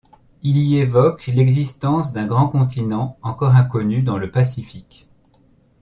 Il y évoque l'existence d'un grand continent, encore inconnu, dans le Pacifique.